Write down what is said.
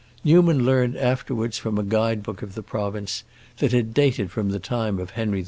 Newman learned afterwards, from a guide book of the province, that it dated from the time of Henry IV.